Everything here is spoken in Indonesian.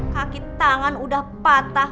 kaki tangan udah patah